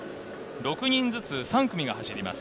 ６人ずつ３組が走ります。